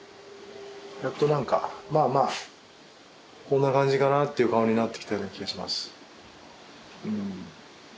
やっとなんかまあまあこんな感じかなっていう顔になってきたような気がします。